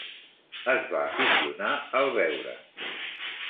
Es va aficionar al beure.